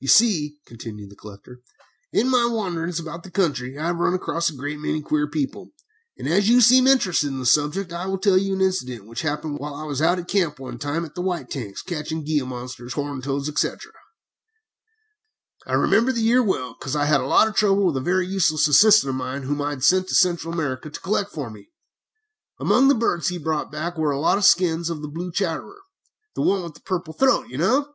"You see," continued the collector, "in my wanderings about the country I have run across a great many queer people, and as you seem interested in this subject, I will tell you an incident which happened while I was out at camp one time at the White Tanks, catching gila monsters, horned toads, etc. "I remember the year well, because I had a lot of trouble with a very useless assistant of mine, whom I sent to Central America to collect for me. Among the birds he brought back were a lot of skins of the blue chatterer the one with the purple throat, you know.